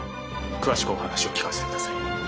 詳しくお話を聞かせてください。